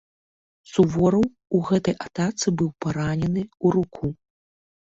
Сувораў у гэтай атацы быў паранены ў руку.